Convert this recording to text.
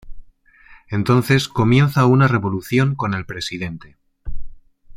Entonces comienza una revolución con el presidente.